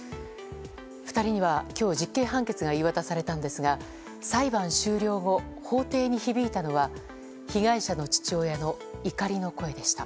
２人には今日、実刑判決が言い渡されたんですが裁判終了後、法廷に響いたのは被害者の父親の怒りの声でした。